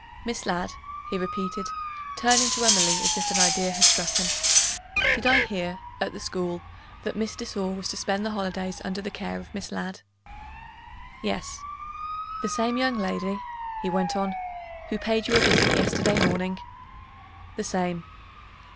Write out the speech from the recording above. "Miss Ladd?" he repeated, turning to Emily as if an idea had struck him. "Did I hear, at the school, that Miss de Sor was to spend the holidays under the care of Miss Ladd?" "Yes." "The same young lady," he went on, "who paid you a visit yesterday morning?" "The same."